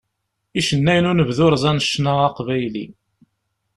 Icennayen n unebdu rẓan ccna aqbayli.